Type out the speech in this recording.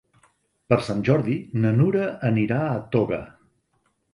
Per Sant Jordi na Nura anirà a Toga.